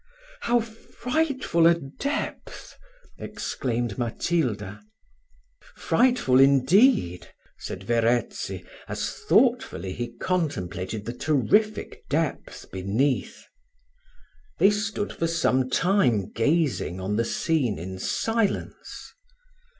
"How frightful a depth!" exclaimed Matilda. "Frightful indeed," said Verezzi, as thoughtfully he contemplated the terrific depth beneath. They stood for some time gazing on the scene in silence.